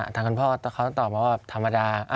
ทางคุณพ่อเขาตอบมาว่าธรรมดา